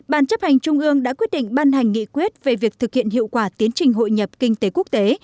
ban chấp hành trung ương đã quyết định ban hành nghị quyết về việc thực hiện hiệu quả tiến trình hội nhập kinh tế quốc tế